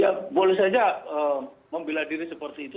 ya boleh saja membela diri seperti itu